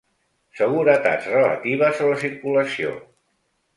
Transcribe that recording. Seguretats relatives a la circulació.